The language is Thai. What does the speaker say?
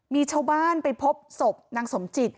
มีชาวบ้านไปพบศพนางสมจิต